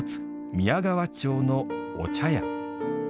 宮川町のお茶屋。